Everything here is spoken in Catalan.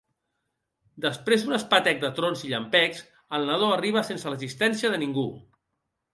Després d'un espetec de trons i llampecs, el nadó arriba sense l'assistència de ningú.